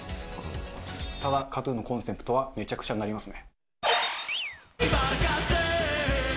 ただ、ＫＡＴーＴＵＮのコンセプトはめちゃくちゃになりますね。